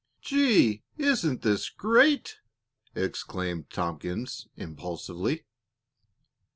"Gee! Isn't this great!" exclaimed Tompkins, impulsively.